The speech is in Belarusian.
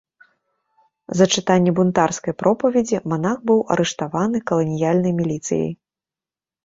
За чытанне бунтарскай пропаведзі манах быў арыштаваны каланіяльнай міліцыяй.